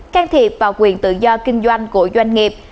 can thiệp vào quyền tự do kinh doanh của doanh nghiệp